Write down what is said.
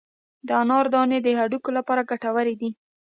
د انار دانې د هډوکو لپاره ګټورې دي.